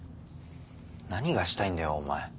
何がしたいんだよお前。